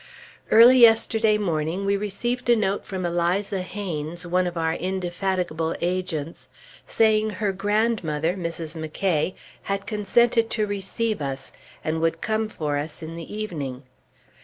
Early yesterday morning we received a note from Eliza Haynes, one of our indefatigable agents, saying her grandmother, Mrs. McCay, had consented to receive us, and would come for us in the evening.